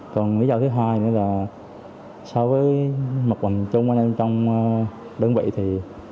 còn lý do thứ hai nữa là so với mặt bằng chung anh em trong đơn vị thì